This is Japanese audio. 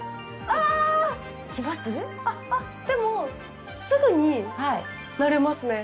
あっでもすぐに慣れますね。